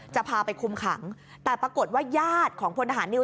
จะพาไปคุมขังแต่ปรากฏว่าญาติของพลทหารนิว